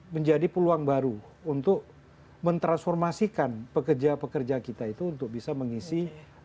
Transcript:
menjadi peluang baru untuk mentransformasikan pekerja pekerja kita itu untuk bisa mengisi